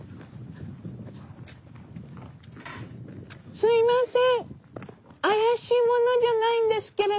すいません。